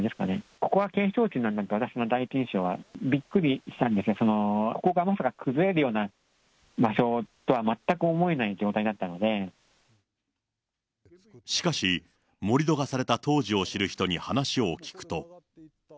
ここは景勝地なのかという私の第一印象は、びっくりしたんですね、ここがまさか崩れるような場所とは、しかし、盛り土がされた当時を知る人に話を聞くと。